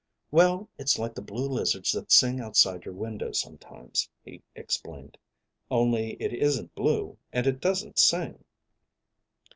"Well, it's like the blue lizards that sing outside your window sometimes," he explained. "Only it isn't blue, and it doesn't sing."